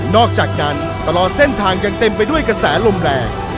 อกจากนั้นตลอดเส้นทางยังเต็มไปด้วยกระแสลมแรง